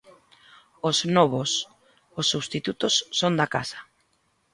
Os 'novos' Os substitutos son da casa.